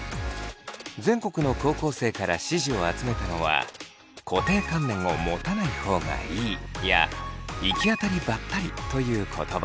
全国の高校生から支持を集めたのは「固定観念を持たない方がいい」や「行き当たりばったり」という言葉。